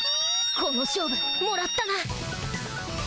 この勝負もらったな。